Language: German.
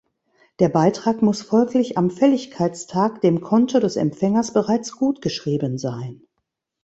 Der Beitrag muss folglich am Fälligkeitstag dem Konto des Empfängers bereits gutgeschrieben sein.